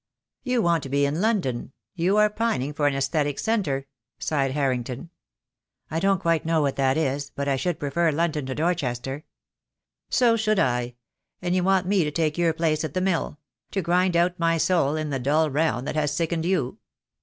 "You want to be in London — you are pining for an aesthetic centre," sighed Harrington. "I don't quite know what that is, but I should prefer London to Dorchester." "So should I — and you want me to take your place at the mill; to grind out my soul in the dull round that has sickened you."